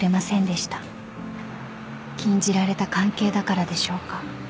［禁じられた関係だからでしょうか？］